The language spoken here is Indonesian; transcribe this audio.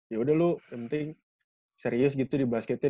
ya udah lu yang penting serius gitu di basketnya